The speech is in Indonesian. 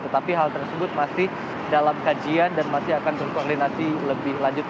tetapi hal tersebut masih dalam kajian dan masih akan berkoordinasi lebih lanjut